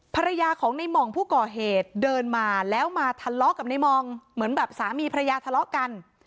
ภรรยาของในหม่องผู้ก่อเหตุเดินมาแล้วมาทะเลาะกับในมองเหมือนแบบสามีภรรยาทะเลาะกัน